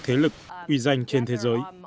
thế lực uy danh trên thế giới